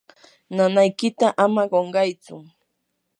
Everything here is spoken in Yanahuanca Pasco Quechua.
nanaykita ama qunqaychu.